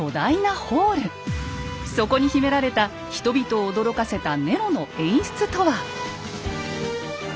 そこに秘められた人々を驚かせたネロの演出とは？